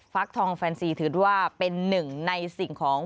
ฟักทองแฟนซีถือว่าเป็นหนึ่งในสิ่งของ